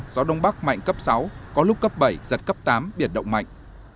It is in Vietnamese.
gió đông bắc mạnh cấp sáu có lúc cấp bảy giật cấp tám biển động mạnh